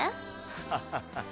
ハハハハ。